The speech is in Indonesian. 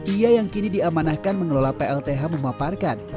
ia yang kini diamanahkan mengelola plth memaparkan